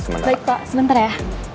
baik pak sebentar ya